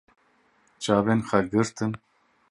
Çavên xwe girtin.